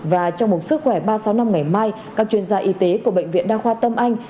và trong một sức khỏe ba trăm sáu mươi năm ngày mai các chuyên gia y tế của bệnh viện đa khoa tâm anh